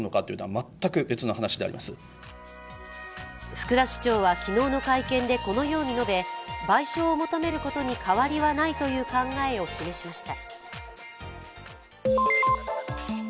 福田市長は昨日の会見でこのように述べ賠償を求めることに変わりはないという考えを示しました。